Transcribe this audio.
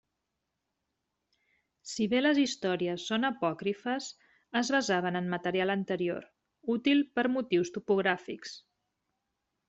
Si bé les històries són apòcrifes, es basaven en material anterior, útil per motius topogràfics.